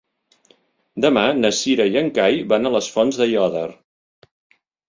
Demà na Cira i en Cai van a les Fonts d'Aiòder.